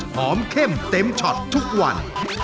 เข้มเต็มช็อตทุกวัน